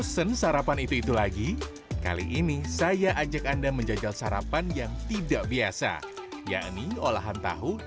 sampai jumpa di video selanjutnya